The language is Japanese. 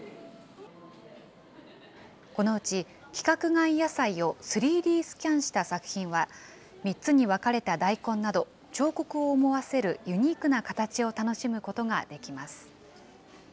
このうち、規格外野菜を３Ｄスキャンした作品は、３つにわかれた大根など、彫刻を思わせるユニークな形を楽しむことができます。